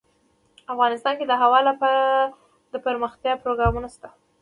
افغانستان کې د هوا لپاره دپرمختیا پروګرامونه شته.